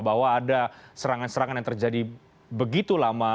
bahwa ada serangan serangan yang terjadi begitu lama